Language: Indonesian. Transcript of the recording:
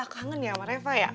kangen ya sama reva ya